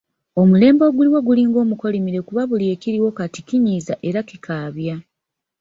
Omulembe oguliwo gulinga omukolimire kuba buli ekiriwo kati kinyiiza era kikaabya.